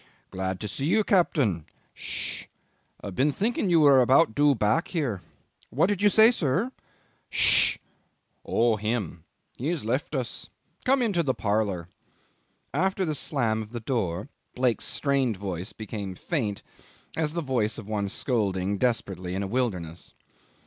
"Glad to see you, captain. ... Sssh. ... Been thinking you were about due back here. What did you say, sir? ... Sssh. ... Oh! him! He has left us. Come into the parlour." ... After the slam of the door Blake's strained voice became faint, as the voice of one scolding desperately in a wilderness.